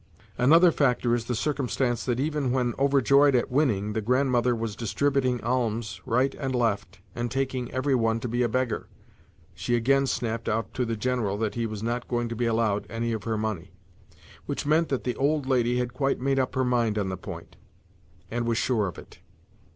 Another factor is the circumstance that even when, overjoyed at winning, the Grandmother was distributing alms right and left, and taking every one to be a beggar, she again snapped out to the General that he was not going to be allowed any of her money—which meant that the old lady had quite made up her mind on the point, and was sure of it.